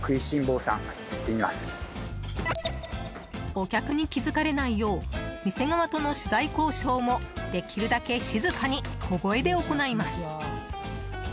お客に気づかれないよう店側との取材交渉もできるだけ静かに小声で行います。